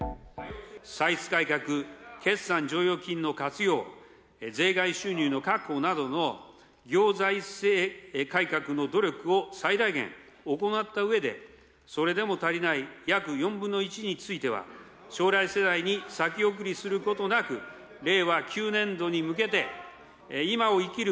歳出改革、決算剰余金の活用、税外収入の確保などの行財政改革の努力を最大限行ったうえで、それでも足りない約４分の１については、将来世代に先送りすることなく、令和９年度に向けて、増税か？